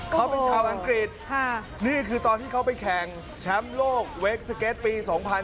เขาเป็นชาวอังกฤษนี่คือตอนที่เขาไปแข่งแชมป์โลกเวคสเก็ตปี๒๕๕๙